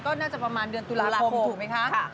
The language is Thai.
ก็น่าจะประมาณเดือนตุลาคมถูกไหมคะ